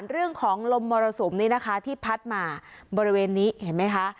เรื่องของลมมรสุมนี้นะคะที่พัดมาบริเวณนี้เห็นไหมคะ